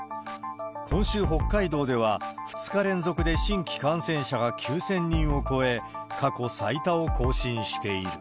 今週、北海道では２日連続で新規感染者が９０００人を超え、過去最多を更新している。